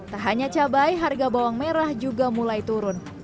tak hanya cabai harga bawang merah juga mulai turun